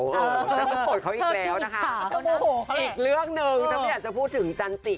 ฉันก็ปวดเขาอีกแล้วนะคะอีกเรื่องหนึ่งถ้าไม่อยากจะพูดถึงจันจิ